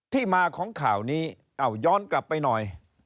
ที่มาของข่าวนี้เอาย้อนกลับไปหน่อย